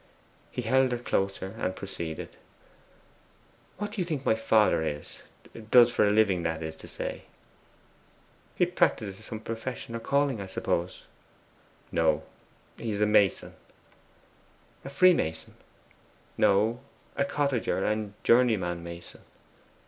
He held her closer and proceeded: 'What do you think my father is does for his living, that is to say?' 'He practises some profession or calling, I suppose.' 'No; he is a mason.' 'A Freemason?' 'No; a cottager and journeyman mason.